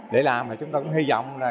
để làm thì chúng tôi cũng hy vọng là